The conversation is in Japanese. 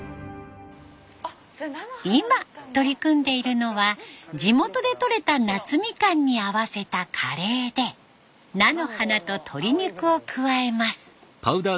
今取り組んでいるのは地元でとれた夏みかんに合わせたカレーで菜の花と鶏肉を加えます。